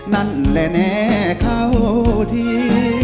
นั่นแหละแน่เข้าที